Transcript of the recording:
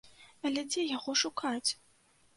Але, дзе яго шукаць?